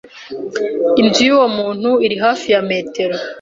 Inzu yuwo muntu iri hafi ya metero.